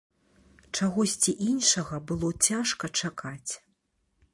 Чагосьці іншага было цяжка чакаць.